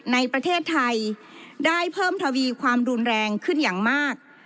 ในประเทศไทยได้เพิ่มทวีความรุนแรงขึ้นอย่างมาก